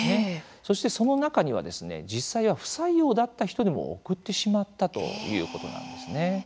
そして、その中には実際は不採用だった人にも送ってしまったということなんです。